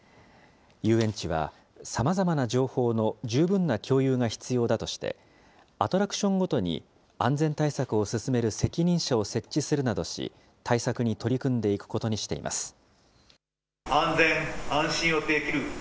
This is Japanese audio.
遊園地は、さまざまな情報の十分な共有が必要だとして、アトラクションごとに安全対策を進める責任者を設置するなどし、対策に取り組んでいくことにしています。